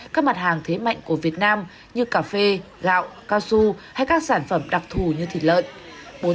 các mặt hàng thế mạnh của việt nam như cà phê gạo cao su hay các sản phẩm đặc thù như thịt lợn